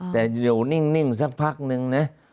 แต่เดี๋ยวนิ่งสักพักนึงนะ